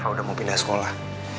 kalau udah mau pindah sekolah